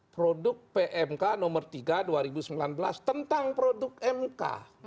produk pmk nomor tiga dua ribu sembilan belas tentang produk mk